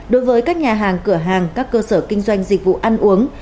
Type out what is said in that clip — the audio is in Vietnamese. đối với các nhà hàng cửa hàng các cơ sở kinh doanh dịch vụ ăn uống